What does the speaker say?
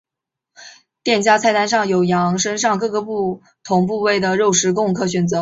店家菜单上有羊身上各个不同的部位的肉供食客选择。